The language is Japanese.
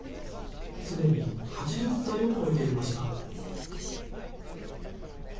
すでに８０歳を超えていました。